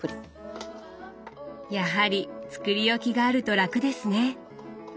やはり作り置きがあると楽ですね。